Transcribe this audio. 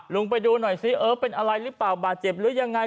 ไปดูหน่อยซิเออเป็นอะไรหรือเปล่าบาดเจ็บหรือยังไง